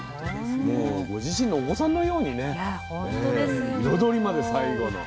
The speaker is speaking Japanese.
もうご自身のお子さんのようにね彩りまで最後の。